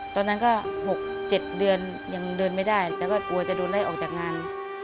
ตอนนั้นก็๖๗เดือนยังเดินไม่ได้แล้วก็กลัวจะโดนไล่ออกจากงาน